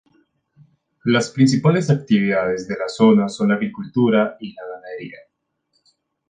Las principales actividades de la zona son la agricultura y la ganadería.